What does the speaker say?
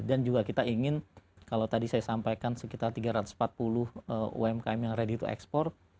dan juga kita ingin kalau tadi saya sampaikan sekitar tiga ratus empat puluh umkm yang ready to export